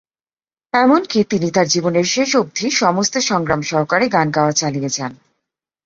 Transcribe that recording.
এমনকি তিনি তার জীবনের শেষ অবধি সমস্ত সংগ্রাম সহকারে গান গাওয়া চালিয়ে যান।